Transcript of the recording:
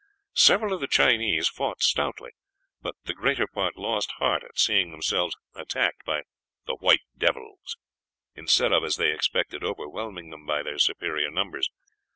Several of the Chinese fought stoutly, but the greater part lost heart at seeing themselves attacked by the "white devils," instead of, as they expected, overwhelming them by their superior numbers.